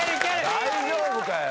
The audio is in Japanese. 大丈夫かよ。